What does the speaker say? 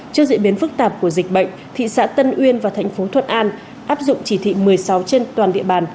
trước diễn biến phức tạp của dịch bệnh thị xã tân uyên và thành phố thuận an áp dụng chỉ thị một mươi sáu trên toàn địa bàn